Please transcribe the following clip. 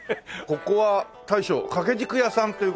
ここは大将掛け軸屋さんという事で。